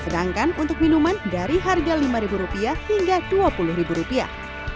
dan untuk minuman dari harga lima rupiah hingga dua puluh rupiah